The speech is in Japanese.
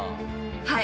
はい。